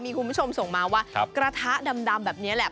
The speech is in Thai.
มีคุณผู้ชมส่งมาว่ากระทะดำแบบนี้แหละ